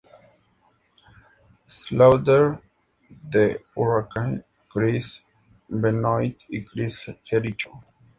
Slaughter, The Hurricane, Chris Benoit y Chris Jericho.